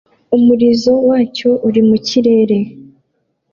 umurizo wacyo uri mu kirere